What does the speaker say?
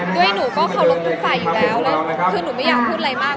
หนูก็เคารพทุกฝ่ายอยู่แล้วเลยคือหนูไม่อยากพูดอะไรมาก